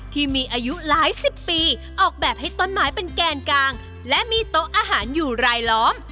ที่มีอายุหลายสิบปีออกแบบให้ต้นไม้เป็นแกนกลางและมีโต๊ะอาหารอยู่รายล้อม